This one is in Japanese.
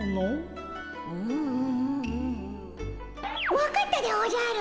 分かったでおじゃる！